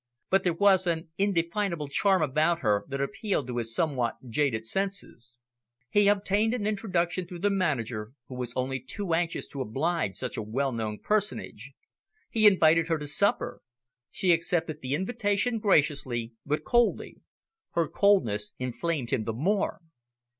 But there was an indefinable charm about her that appealed to his somewhat jaded senses. He obtained an introduction through the manager, who was only too anxious to oblige such a well known personage. He invited her to supper. She accepted the invitation graciously, but coldly. Her coldness inflamed him the more.